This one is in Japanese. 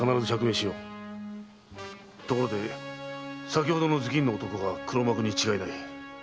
ところで先ほどの頭巾の男が黒幕に違いない。